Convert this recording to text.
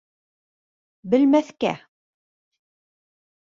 Белмәҫкә...